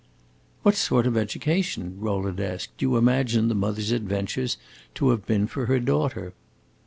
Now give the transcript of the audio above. "What sort of education," Rowland asked, "do you imagine the mother's adventures to have been for the daughter?"